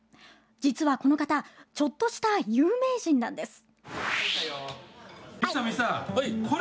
実は、この方ちょっとした有名人なんです。